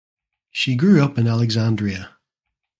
She grew up in Alexandria.